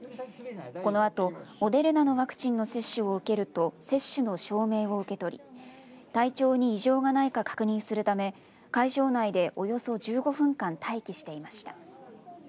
このあと、モデルナのワクチンの接種を受けると接種の証明を受け取り体調に異常がないか確認するため会場内で、およそ１５分間待機していました。